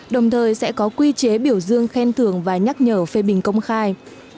đồng thời sẽ có quy chế biểu dương khen thưởng và nhắc nhở phê bình công khai